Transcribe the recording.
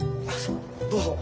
どうぞ。